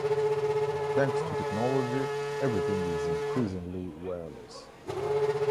Thanks to technology, everything’s increasingly wireless.